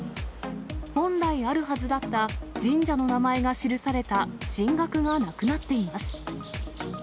本来あるはずだった神社の名前が記された神額がなくなっています。